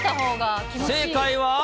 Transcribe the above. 正解は。